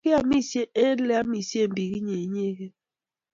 Kianisie eng leamisie bik inye inyeken?